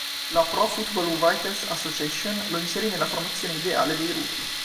La "Pro Football Writers Association" lo inserì nella formazione ideale dei rookie.